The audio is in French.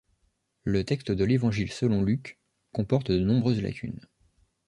Le texte de l'Évangile selon Luc comporte de nombreuses lacunes.